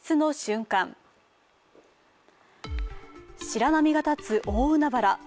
白波が立つ大海原。